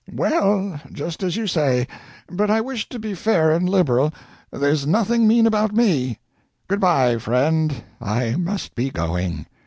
Well, just as you say, but I wished to be fair and liberal there's nothing mean about ME. Good by, friend, I must be going.